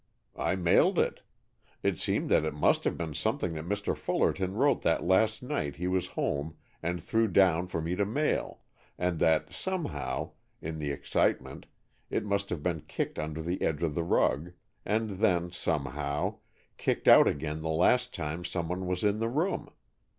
"I mailed it. It seemed that it must have been something that Mr. Fullerton wrote that last night he was home and threw down for me to mail, and that somehow, in the excitement, it must have been kicked under the edge of the rug, and then, somehow, kicked out again the last time someone was in the room.